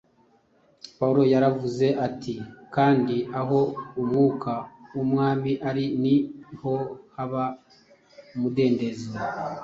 Pawulo yaravuze ati, “Kandi aho Umwuka w’Umwami ari, ni ho haba umudendezo.